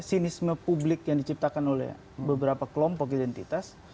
sinisme publik yang diciptakan oleh beberapa kelompok identitas